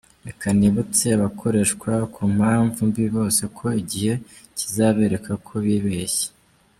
Reka nibutse abakoreshwa ku mpamvu mbi bose ko igihe kizabereka ko bibeshya.